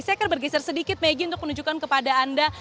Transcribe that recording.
saya akan bergeser sedikit maggie untuk menunjukkan kepada anda